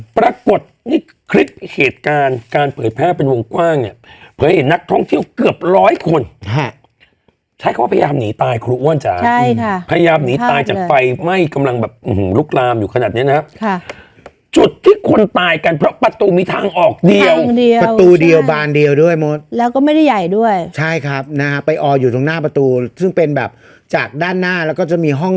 ถ้ากดนี่คลิกเหตุการณ์การเปิดแพร่เป็นวงกว้างเนี่ยเผยเห็นนักท้องเที่ยวเกือบร้อยคนใช่ค่ะใช้เขาพยายามหนีตายครูอ้วนจ๋าใช่ค่ะพยายามหนีตายจากไฟไหม้กำลังแบบอื้มหลุกลามอยู่ขนาดนี้นะครับค่ะจุดที่คนตายกันเพราะประตูมีทางออกเดียวทางเดียวประตูเดียวบานเดียวด้วยมดแล้วก็ไม่ได้ใหญ่ด้วยใช่ครับนะฮ